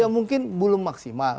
ya mungkin belum maksimal